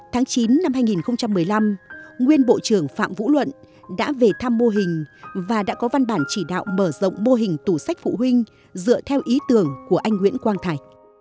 tháng chín năm hai nghìn một mươi năm nguyên bộ trưởng phạm vũ luận đã về thăm mô hình và đã có văn bản chỉ đạo mở rộng mô hình tủ sách phụ huynh dựa theo ý tưởng của anh nguyễn quang thạch